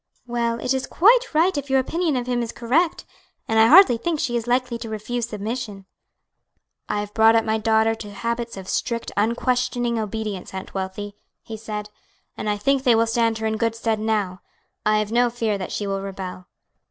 "Well, it is quite right if your opinion of him is correct; and I hardly think she is likely to refuse submission." "I have brought up my daughter to habits of strict, unquestioning obedience, Aunt Wealthy," he said, "and I think they will stand her in good stead now. I have no fear that she will rebel."